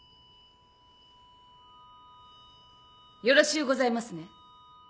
よろしゅうございますね？